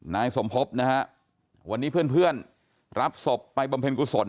นายสมภพนะฮะวันนี้เพื่อนรับศพไปบำเพ็ญกุศล